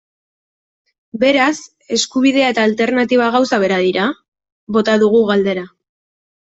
Beraz, eskubidea eta alternatiba gauza bera dira?, bota dugu galdera.